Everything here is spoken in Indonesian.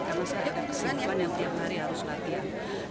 karena saya ada kesan yang tiap hari harus latihan